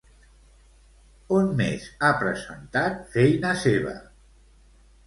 On més ha presentat feina seva?